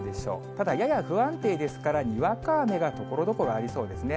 ただ、やや不安定ですから、にわか雨がところどころありそうですね。